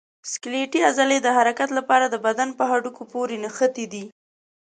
سکلیټي عضلې د حرکت لپاره د بدن په هډوکو پورې نښتي دي.